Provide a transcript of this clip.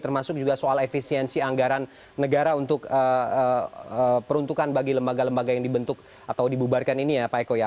termasuk juga soal efisiensi anggaran negara untuk peruntukan bagi lembaga lembaga yang dibentuk atau dibubarkan ini ya pak eko ya